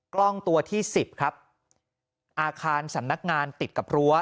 กล้องตัวที่สิบครับอาคารสำนักงานติดกับรั้ว